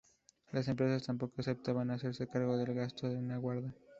Las empresas tampoco aceptaban hacerse cargo del gasto de un guarda.